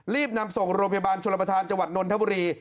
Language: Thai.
รีบนำส่งโรงพยาบาลชนประธานจังหวัดนนทบุรี